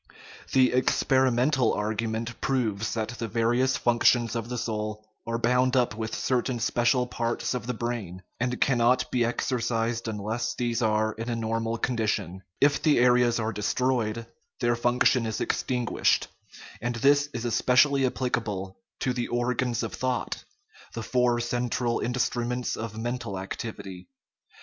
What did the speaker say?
The experimental argument proves that the various functions of the soul are bound up with certain special parts of the brain, and cannot be exercised unless these are in a normal condition; if the areas are destroyed, their function is extin guished; and this is especially applicable to the "or gans of thought," the four central instruments of men tal activity.